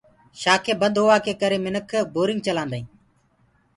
شآکينٚ بند هوآ ڪي ڪري منک بورينگ چلآندآ هينٚ۔